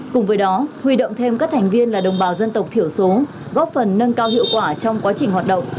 cùng với đó huy động thêm các thành viên là đồng bào dân tộc thiểu số góp phần nâng cao hiệu quả trong quá trình hoạt động